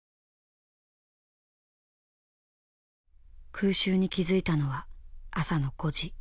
空襲に気付いたのは朝の５時。